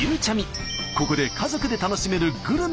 ここで家族で楽しめるグルメを探すことに。